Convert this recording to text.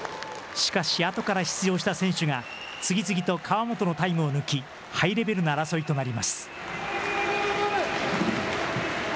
しかし後から出場した選手が、次々と川本のタイムを抜き、ハイレベルな争いとなります。